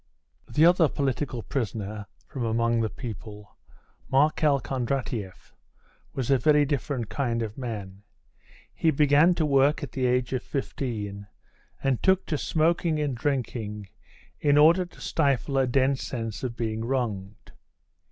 The other political prisoner from among the people, Markel Kondratieff, was a very different kind of man. He began to work at the age of fifteen, and took to smoking and drinking in order to stifle a dense sense of being wronged.